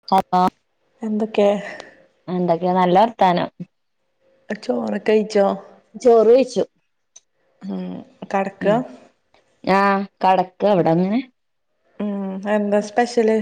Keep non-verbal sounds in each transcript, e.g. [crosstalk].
[unintelligible] എന്തൊക്കെ? എന്തൊക്കെ നല്ല വർത്താനം. എടാ ചോറൊക്കഴിച്ചോ? ചോറ് കഴിച്ചു ഉം കെടക്കാ ആഹ് കടക്കാ ഇവടങ്ങനെ ഉം എന്താ സ്പെഷ്യല്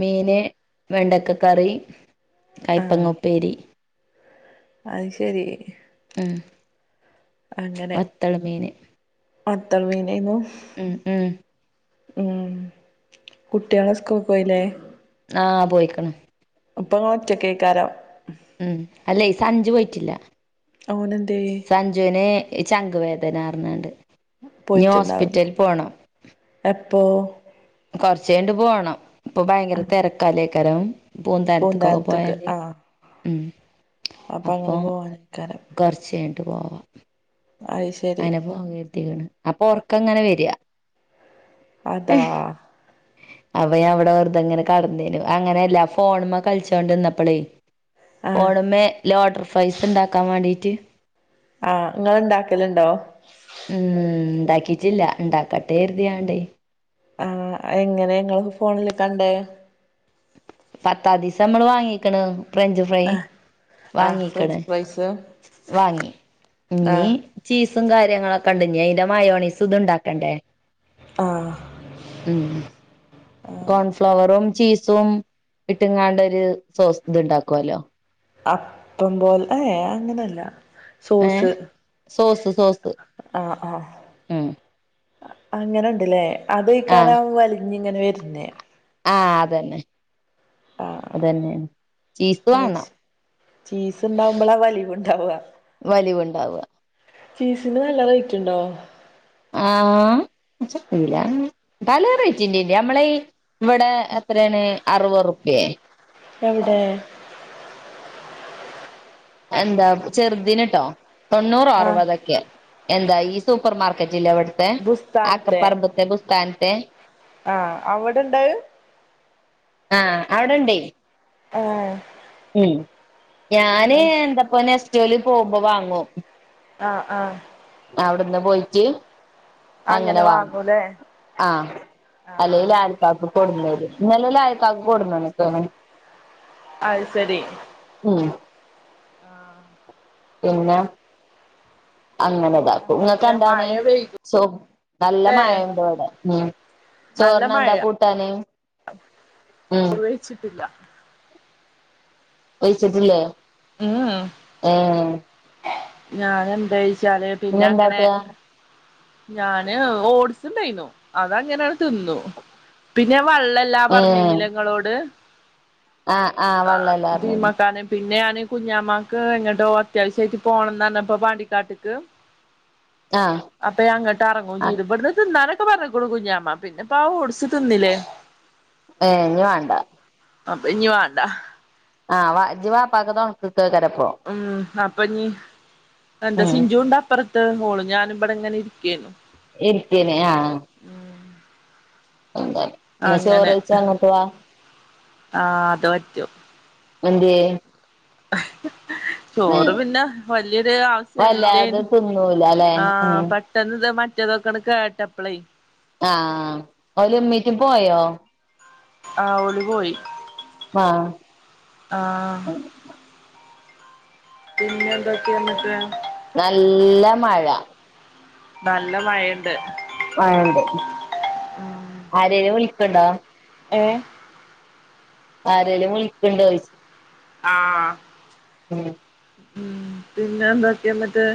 മീന് വെണ്ടക്കക്കറി ആഹ് കയപ്പങ്ങ ഉപ്പേരി അത് ശെരി ഉം അങ്ങനെ. വത്തള് മീന് അത്തൾ മീനേന്നു ഉം ഉം ഉം കുട്ടിയള സ്കൂക്കോയിലേ? ആഹ് പോയിക്ക്ണ്. അപ്പോ ഇങ്ങളൊറ്റയിക്കാരം ഉം അല്ലേ സഞ്ചു പോയിട്ടില്ല. ഓനെന്തേ? ജുവിന് ചങ്ക് വേദനാർറഞ്ഞാണ്ട് പോയിട്ടുണ്ടാവില എപ്പോ? കൊറച്ചയിട്ട് പോണം ഇപ്പൊ ഭയങ്കര ആഹ് തിരക്കാലേക്കരം പൂന്തരത്തക്കൊക്കെ പൂന്താനത്ത്ക്ക് പോയാല് ആഹ് ഉം അപ്പൊ അങ്ങനെ പോവാനേക്കാരം കൊറച്ചയിഞ്ഞിട്ട് പോവാം അത് ശെ അതിനെ പോവാൻ കെടുത്തിക്ക്ണ് അപ്പൊ ഒറക്കം ഇങ്ങനെ വെരാ. അതാ അപ്പൊ ഞാൻ ഇവടെ വെറുതിങ്ങനെ കെടന്നിനു, അങ്ങനെയല്ല ഫോണ്മ്മേ കളിച്ചോണ്ട്ന്നപ്പളേ ഉ ഫോണ്മ്മേ ലോട്ടർ ഫ്രൈസ് ഇണ്ടാക്കാൻ വേണ്ടിട്ട് ആഹ് ഇങ്ങള്ണ്ടാക്കലുണ്ടോ? ഉം ഇണ്ടാക്കിറ്റില്ല ഇണ്ടാക്കട്ടെരുതിയാണ്ടേ ആഹ് എങ്ങനെ ഇങ്ങള് ഫോണില് കണ്ടേ പത്താദിസം നമ്മള് വാങ്ങിക്ക്ണ് ഫ്രഞ്ച് ഫ്രൈ ആഹ് ആഹ് വാങ്ങിക്ക്ണ്. ഫ്രഞ്ച് ഫ്രൈസ് വാങ്ങി ഇനി ആഹ് ചീസും കാര്യങ്ങളൊക്കെണ്ട് ഇഞ്ഞി അയിന്റെ മയോണീസ് ഇതുണ്ടാക്കണ്ടേ. ആഹ് ഉം കോൺഫ്ലവറും ചീസ് സും ഇട്ടിങ്ങാണ്ട് ഒരു സോ ഇത് ഉണ്ടാക്കുല്ലോ അപ്പം പോല ഏഹ് അങ്ങനെയല്ല ഏ സോസ് സോസ് സോസ് ആഹ് ആഹ് ഉം അങ്ങനെണ്ട് ലേ ആ അതെയ്കാരം വലിഞ്ഞിങ്ങനെ വെര്ണ്. ആഹ് അതന്നെ ആഹ് അതന്നെയാണ് ചീസ് വേണം ചീസ്ണ്ടാവുമ്പളാ വലിവുണ്ടാവാ വലിവുണ്ടാവാ ചീസിന് നല്ല റേറ്റുണ്ടോ? ആഹ് ജ്പോല പല റേറ്റിന്റെന്റെ നമ്മള ഈ ഇവടെ എത്രയാണ് അറുപതുർപ്യെ? എവടെ? എന്താ ചെറുതിന്ട്ടോ തൊണ്ണൂറ ആഹ് അറുപതൊക്കെ എന്താ ഈ സൂപ്പർ മാർക്കെറ്റില്ലെവിട്ത്തെ ബുസ്ഥാൻത്തെ ആക്കപർമ്പത്തെ ബുസ്ഥാൻത്തെ ആഹ് അവിടെണ്ടഹ് ആ അവിടെണ്ടേ ആഹ് ഉം ഞാന് എന്താപ്പ നെസ്റ്റോല് പോവുമ്പോ വാങ്ങു ആഹ് ആഹ് അവിടന്ന് പോയിറ്റ് അങ്ങനെ വാങ്ങും ആഹ് ആഹ് അല്ലേലാ കാക്കു കൊട്ന്നത് ഇന്നലല്ലയ കക്കു കൊടന്ന അയ് സെരി ഉം ആഹ് പിന്നെ അങ്ങനെ താക്കും ങ്ങക്ക് എന്തൊക്കെ എന്താണ് മഴ പെയ്തു സോ നല്ല ല്ലേ മഴയുണ്ട് വടെ ഉം നല്ല മഴ ചോർനെന്താകൂട്ടാന് ഉം ച്ചിട്ടില്ല വൈച്ചിട്ടില്ലേ ഉംഹ് ഏഹ് ഞാനെന്തെയ്ച്ചാല് ഇനി പിന്നെ അങ്ങനെ എന്താക്കാ ഞാന് ഓട്സ് ഇണ്ടായിന്നു അതങ്ങനെയാണ് തിന്നു പിന്നെ വള്ളല്ലാ ഏഹ് പറഞ്ഞിനിലെങ്ങളോട് ആഹ് ആഹ് വെള്ളല്ലാർഞ്ഞിനി തീമാക്കാണ് പിന്നെഞാന് കുഞ്ഞമാക്ക് എങ്ങോട്ടോ അത്യാവശ്യയിട്ട് പോണന്നർഞ്ഞപ്പ പണ്ടിക്കാട്ട്ക്ക് ആഹ് അപ്പേയങ്ങട്ട് ഇറങ്ങും ആഹ് ചെയത് ഇബട്ന്ന്തിന്നാനൊക്കെ പർഞ്ക്ണു കുഞ്ഞാമ പിന്നെപ്പ ആ ഓട്സ് തിന്നില്ലേ ഏഹ് എനിവാണ്ട അപ്പ ഇഞ്ഞി വാണ്ട ആഹ് വാ ജ്ജ് വാപാക്ക്‌ തൊണക്ക്‌ക്കേയ്കാരപ്പൊ ഉം അപ്പൊ ഇഞ് എന്താ ഉം സിഞ്ചുണ്ടപ്പർ ത്ത് മോളൂ ഞാനും ഇബടെങ്ങെനെ ഇരിക്കയെന്നു ഇരിക്കേനി ആഹ് എന്താ എന്നാ അങ്ങനെ ചോറെയ്ച്ചങ്ങോട്ടവാ ആഹ് അത് പറ്റും എന്തേയ് ചോറ് പിന്നെ വല്യയൊരു വല്ലാതെ ആവശ്യല്ലേനു തിന്നൂലലെ ഉം ആഹ് പ ട്ടെന്ന്ത് മറ്റേതൊക്കെന്ന് കേട്ടപ്പളെ ആഹ് ആ ഓലുമ്മീറ്റ് പോയോ ആ ഓല് പോയി ആഹ് ആഹ് പിന്നെന്തൊക്കയന്നിട്ട് നല്ല മഴ നല്ല മഴയ്ണ്ട് മഴണ്ട് ആരേല് വിളിക്കണ്ടോ ഏഹ് ആരേലു വിളിക്ക്ണ്ടോയിച്ചേ ആഹ് ഉം ഉം പിന്നെ എന്തൊക്കെന്നിട്ട്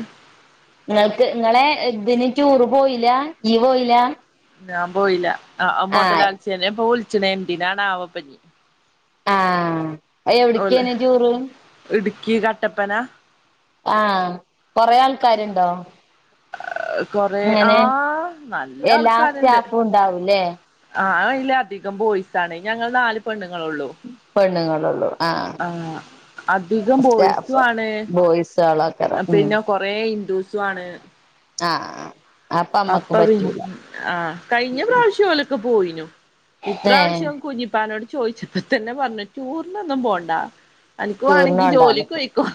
നിങ്ങൾക്ക് നിങ്ങളെ ഇതിന് റ്റൂറ് പോയില്ല ഇയ്യ് പോയില്ലാ ഞാൻ പോയില ആഹ് ആ മുതലാളിച്ചേനെപ്പൊ വിളിച്ചണ എന്തിനാണാവോപ്പനി ആഹ് അഹ് ഓല് എവിടക്കാണ് റ്റൂറ് ഇടുക്കി കട്ടപ്പന ആഹ് കൊറെ ആൾക്കാരുണ്ടോ കൊറെ ഇങ്ങനെ ആഹ് നല്ല എല്ലാ ആൾക്കാരുണ്ട് സ്റ്റാഫും ഉണ്ടാവൂല്ലേ ആഹ് അതില് അധികം ബോയിസാണ് ഞങ്ങൾ നാല് പെണ്ണുങ്ങളുള്ളൂ പെണ്ണുങ്ങളള്ളു ആ അധികം ബോയ്സും സ്റ്റാഫ് ആണ് ബോയ്സ് ആള [unintelligible] പിന്നെ കൊറേ ഹിന്ദൂസു ആണ് ആഹ് അമ്മക്ക് അപ്പ പി പറ്റൂല ആഹ് കഴിഞ്ഞ പ്രാവശ്യല്ല പോയിനു ഏഹ് ഇപ്രാവശ്യം കുഞ്ഞിപ്പാനോട് ചോദിച്ചപ്പോ തന്നെ പറഞ്ഞു ടൂറിനൊന്നും പോണ്ടാ അനക്ക് വേണമെങ്കി ജോലിക്ക് ടൂറിനോണ്ടാന്ന്ക്കും പോയിക്കോ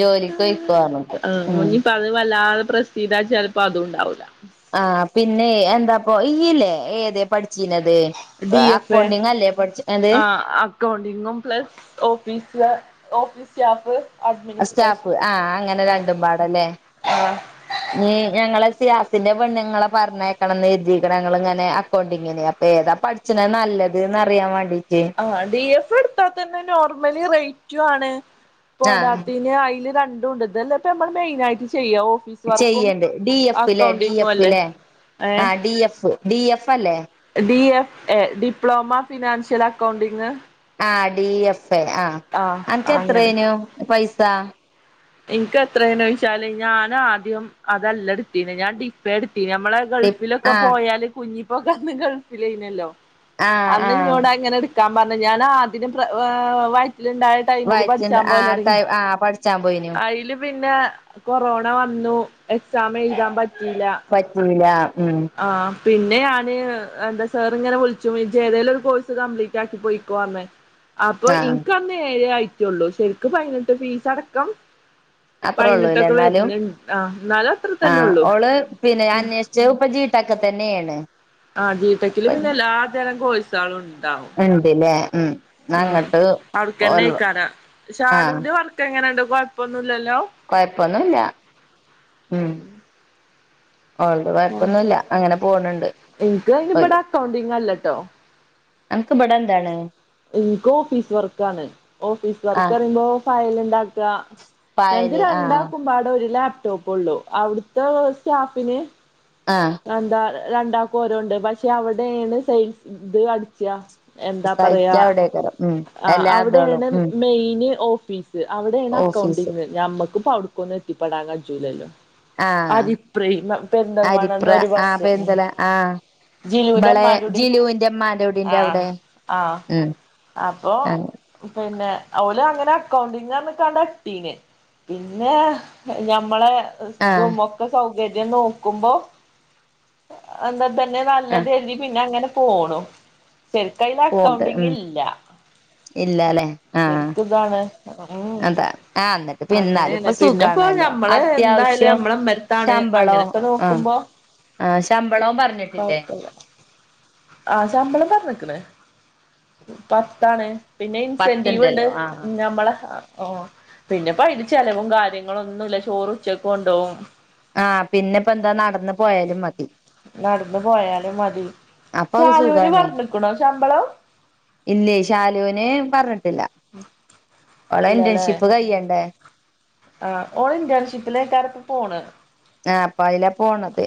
ജോലിക്കോയ്ക്കോന്ന്ക്കും ആഹ് ഉം ഓനിപ്പോ അത് വല്ലാതെ പ്രശ്ന ഇതാ ചിലപ്പോ അതുണ്ടാവില്ല ആഹ് പിന്നെ എന്താപ്പ ഇനിയില്ലേ ഏത പഠി ച്ചിനത് ഡി അക്കൗണ്ടിങ് അല്ലേ പഠിച്ചത് അകൗണ്ടിങ്ങും plus office office staff staff ആഹ് അങ്ങനെ രണ്ടും പാടന്നെ ആ നീ ഞങ്ങളെ ഷിയാസിന്റെ പെണ്ണുങ്ങളെ പറഞ്ഞയക്കണംന്ന് കരുതി ഞങ്ങൾ ഇങ്ങനെ അക്കൗണ്ടിങ്ങിന് അപ്പൊ ഏതാ പഠിച്ച നല്ലതെന്ന് അറിയാൻ വേണ്ടീട്ട് ആഹ് ഡി എഫ് എടുത്താൽ തന്നെ നോർമലി റേറ്റും ആണ് ആ പോരാത്തിന് അതില് രണ്ടും ഉണ്ട് ഇത് അല്ലേ ഇപ്പ നമ്മൾ മെയിനായിട്ട് ചെയ്യാ ഓഫീസ് വർക്കും ചെയ്യണ്ട് ഡി എഫല്ലേ ഡി അക്കൗണ്ടിങ്ങും അല്ലേ എഫല്ലേ ഏ ആഹ് ഡി എഫ് ഡി എഫ് അല്ലേ D F A diploma financial accounting ആഹ് ഡി എഫ് ആഹ് അനക്ക് അങ്ങനെ എത്രേനു പൈസ ഇൻകം എത്രോദിച്ചാല് ഞാൻ ആദ്യം അതല്ല എടുത്തീന ഞാൻ ഡി പ്ല എടുത്തീ നിനമ്മളെ ഗൾഫിലൊക്കെ ആ പോയാല് കുഞ്ഞിപ്പോക്കെന്ന് ഗൾഫിൽനല്ലോ ആ ആ അന്ന്ങ്ങോട് അങ്ങനെ ക്കാൻ പറഞ്ഞ ഞാൻ ആദ്യം പ്ര വയറ്റിലുണ്ടായ ടൈമില് വയിറ്റില്ആഹ് ആഹ് പഠിച്ചാൻ പോയിന് അതിൽ പിന്നെ കൊറോണ വന്നു എക്സാം എഴുതാൻ പറ്റിയില്ല പറ്റിയില്ല ഉ ആഹ് പിന്നെ ഞാന് എന്താ സാറി ഇങ്ങനെ വിളിച്ചു ഏതെങ്കിലും ഒരു കോഴ്സ് കംപ്ലീറ്റ് ആക്കി പോയിക്കോ പറഞ്ഞ അപ്പൊ ആഹ് ഇനിക്ക് അന്ന് ഏ ആയിട്ടുള്ളു ശരിക്ക് ഫൈനിട്ട് ഫീസ് അടക്കം അത്രേ ഉള്ളൂല്ലേ പൈനെട്ടൊക്കെ എന്നാലും വരുന്നുണ്ട് ആഹ് എന്നാല അത്ര തന്നെ ഉള്ളൂ ജ് ഇപ്പോ ജിട ടെക് തന്നെയാണ് ആഹ് ജീടെക്കില് പിന്നെ എല്ലാതരം കോഴസുകളും ഉണ്ടാവും ഉണ്ടിലേ ഉ ഉം അങ്ങോട്ട് ഓൽ വ ആ ഇപ്പൊഎങ്ങനെയുണ്ട് കുഴപ്പൊന്നുമില്ലല്ലോ കൊഴപ്പൊന്നുംല്ല ഉം ഉള്ളത് കൊഴപ്പൊന്നുമില്ല അങ്ങനെ പോണണ്ട് എനിക്ക് അയിന് ഇവിടെ അക്കൗണ്ടിങ് [inaudible] അന ക്ക് ഇബടെ എന്താണ് എനിക്ക് ഓഫീസ് വർക്കാണ് ഓഫീസ് വർക്ക് ആഹ് പറയുമ്പോ ഫയൽ ഉണ്ടാക്ക ഞങ്ങക്ക് പായല് ആഹ് രണ്ടാക്കുമ്പാടെ ഒരു ലാപ്ടോപ്പും ഉള്ളു അവിടുത്തെ സ്റ്റാഫിന് ആഹ് എന്താ രണ്ടാക്ക ഓര് ഉണ്ട് പക്ഷെ അവിടെയാണ് സെയിൽസ് ഇത് അടിച്ച എന്താ പറയാ സൈറ്റ് അവിടേക്കാരം ഉം ആ എല്ലാ ഇതോളും അവിടെയാണ് ഉം മെയിന് ഓഫീസ് അവിടെയാണ് ഓഫീസ് അക്കൗണ്ടിംഗ് ഞമ്മക്കിപ്പ അവിടുക്കൊന്നും എത്തിപ്പെടാൻ കജൂലല്ലോ ആഹ് അതിപ്രേമ പെരന്തൽമാണ അരിപ്ര എന്നൊരു ആ ബസ് ഉ പെരുന്തല ആഹ് ഇബളെ ജിലുടമാരുടി ജിലുവിന്റെ ഇമ്മാന്റെ കുടീന്റെ അവിടെ ആഹ് ആഹ് ഉം അപ്പോ പിന്നെ അവഓല് അങ്ങനെ അക്കൗണ്ടിങ് കണ്ടട്ടീന് പിന്നെ ഞമ്മളെ ആഹ് തുമൊക്ക സൗകര്യം നോക്കുമ്പോ അ തന്നെ ആഹ് നല്ലത് എഴുതി പിന്നെ അങ്ങനെ പോണു ശെരിക്കതില് പോണ്ട് അക്കൗണ്ടിങ് ഉം ഇല്ല ഇല്ലാലേ ആഹ് ശരിക്ക് ഇതാണ് ഉ അ അതാ ആഹ് എന്നിട്ട് ഇപ്പ എന്നാലും ഇപ്പൊ അങ്ങനെയ പിന്നെപ്പോ സുഖാണല്ലോ ഞമ്മള് എന്തായാലും അത്യാവശ്യം നമ്മളെ മരത്താണ് അങ്ങനെയൊക്കെ നോക്കുമ്പോ ആഹ ശമ്പളം പറഞ്ഞിട്ടില്ലേ ആഹ ശമ്പളം പറഞ്ഞിക്കണ് പത്താണ് പിന്നെ ഇൻസെൻറ്റീവ് ഉണ്ട് പത്തുണ്ടല്ലോ ആഹ് നമ്മളെ ഓ പിന്നെപ്പോ അതില് ചെലവും കാര്യങ്ങള ഒന്നുമല്ല ചോറുച്ചക്ക് കൊണ്ടുപോകും ആഹ് പിന്നെ ഇപ്പ എന്താ നടന്ന് പോയാലും മതി നടന്ന് പോയാലും മതി അപ്പൊ അത് ശാലൂന് സുഖാണേ പറഞ്ഞിക്കണോ ശമ്പളം ഇല്ലേ ഷാലുന് പറഞ്ഞിട്ടില്ല [inaudible] ഓളെ ഇന്റേൺഷിപ്പ് കയ്യേണ്ടേ ആഹ് ഓള് ഇൻ്റേൺഷിപ്പിലേക്കാണ്‌ പോണ് ആഹ അപ്പൊ അതില പോണത്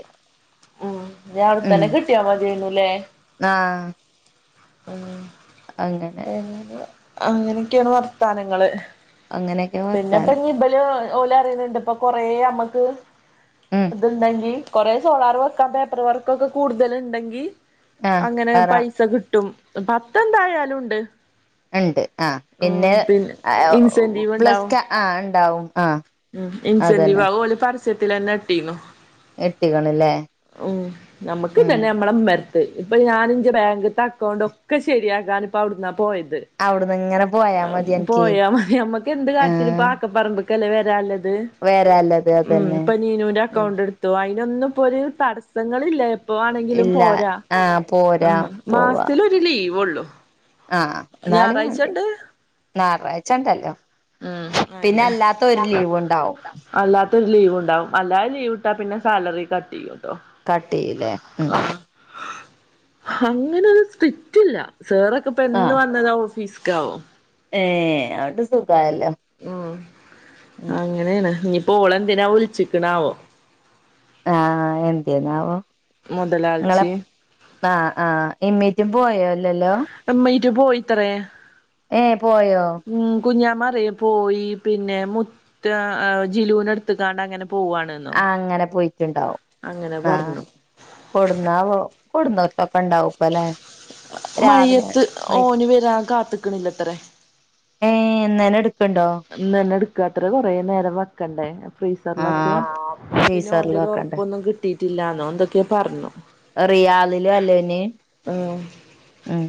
ഉം രാവിലെ തന്നെ കിട്ടിയ മതിയാരുന്നുലേ ആഹ അങ്ങനെ അങ്ങനൊക്കെയാണ് വർത്താനങ്ങള് അങ്ങനെയൊക്കെ പിന്നെപ്പ വർത്താനം ഇബല് ഓലെ അറിയുന്നുണ്ട് ഇപ്പൊ കൊറെ നമ്മക്ക് ഉം അതുണ്ടെങ്കി കുറെ സോളാർ വർക്ക പേപ്പർ വർക്കൊക്കെ കൂടുതല് ഉണ്ടെങ്കി ആഹ് അങ്ങനെ പറ പൈസ കിട്ടും പത്തെ ന്തായാലുണ്ട് ഉണ്ട് ആ പിന്നെ ഇൻസെന്റീവ് പ്ലസ് ക ആ ഉണ്ടാവും ആ ഉ ഇൻസെന്റീവ് ആ ഓള് പരസ്യത്തിലന്നെ എത്തിക്കണു എത്തിക്കണല്ലേ ഉ നമുക്ക് തന്നെ നമ്മള മ ഇപ്പൊ ഞാൻ എന്റെ ബാങ്കത്തെ അക്കൗണ്ട് ഒക്കെ ശരിയാക്കാൻ ഇപ്പോ അവിടുന്നാ പോയത് അവിടുന്ന് ഇങ്ങനെ പോയാ മതി എനിക്ക് പോയാ മതി നമ്മക്ക് എന്ത് കാര്യത്തിലും ആഹ് പാക്കെ പറമ്പ കല വരാനുള്ളത് വരാല്ലത് ഉ അതന്നെ പനീനൂന്റെ ഉം അക്കൗണ്ട് എടുത്ത് അതിനൊന്നും ഇ പൊരു തടസ്സങ്ങളില്ല ഇപ്പ വേണെങ്കിലും ഇല്ല പോരാ ആഹ് ആ പോരാ പോവാ മാസത്തിലൊരു ലീവുള്ളു ആഹ് എന്നാലും ഞായറാഴ്ച ഉണ്ടല്ലോ ഉം പിന്നെ അയെന്നെ അല്ലാത്ത ഒരു ലീവ് ഉണ്ടാവും അല്ലാത്തൊരു ലീവ് ഉണ്ടാവും അല്ലാതെ ലീവ് ഇട്ടാ പിന്നെ സാലറി കട്ട് ചെയ്യും കേട്ടോ കട്ടിചെയ്യുംല്ലേ ഉം അങ്ങനെ സ്ട്രിക്റ്റില്ല സേറൊക്കെ ഇപ്പ എന്ന് വന്നതാ ഓഫീസക്കവോ ഏഹ അവടെ സുഖല്ലേ ഉ അങ്ങനെയാണ് നീപ്പോ ഓള എന്തിനാ വിലിച്ചിക്കണാവോ ആഹ എന്തെന്നാവോ നിങ്ങളെ മൊതലാൾച്ചി ആഹ് ആഹ ഇമ്മീറ്റും പോയോല്ലല്ലോ എമ്മ ഇരു പോയിത്ര ഏ പോയോ മ്മ് കുഞ്ഞാ മറ പോയി പിന്നെ മു ത് ജിലൂനടുത്ത്ക്കാണ് അങ്ങനെ പോവാണ് ആഹ് അങ്ങനെ പോയിട്ടുണ്ടാവും ആഹ് പറഞ്ഞു കൊടന്നാവ കൊടന്ന ഒട്ട ഒക്കെ ഇണ്ടാവപ്പല്ലെ മയ്യത്ത് ഓന് വരാൻ കാത്തക്കണില്ലത്രെ ഏഹ് ന്നെന്നെ ട്ക്ക്ണ്ടോ ന്ന് ന്നെ എടുക്കാത്തറെ കൊറെ നേരം വ ക്കണ്ടേ ആ ഫ്രീസർലൊക്കെ ആഹ് പിന്നെ ഫ്രീസറിൽ ഓന്റത് വെക്കണ്ട് ഒറപ്പൊന്നും കി ട്ടിട്ടില്ലാന്നോ ന്തൊക്കെ പർ ഞ്ഞു റിയാദി ലും അല്ലേന് ഇമ്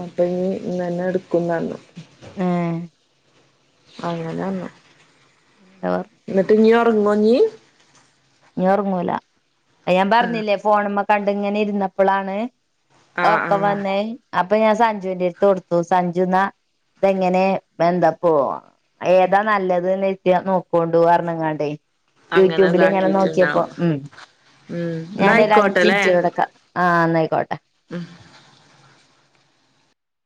അപ്പൊഞ്ഞ് ന്നന്നെ എടുക്കുംന്നർ ഞ്ഞു ഏ അങ്ങ നൊന്ന് എവാ ന്നട്ട് ഞ്ഞോർങ്ങഞ്ഞ് ഞ്ഞോ ർങ്ങൂല അയാം ആഹ് പർഞ്ഞില്ലേ ഫോണ് മ്മ കണ്ട് ങ്ങനെ ഇര് ന്നപ്പളാണ് ആഹ് ഒർക്കം ആഹ് വന്നേ അപ്പൊ ഞാൻ സഞ്ജുന്റെ ര് ത് കൊടുത്തു സഞ്ജുന്നാ തെങ്ങനെ ബന്തപ്പൊ അയ് ഏതാ നല്ലത് ന്ന് ത്യാ നോക്കോണ്ടു അർഞ്ഞ് ങ്ങാണ്ടേ അങ്ങനെതാ ഞാള് നോക്കിയപ്പോ ഉം ന്നാ ഞാനൊരു ആയിക്കോട്ടെല്ലേ അഞ്ച്ന്റ്റ്റ് വടക്കാ ആഹ് ന്നായിക്കോട്ടെ ഹും